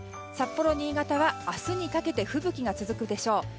札幌、新潟は明日にかけて吹雪が続くでしょう。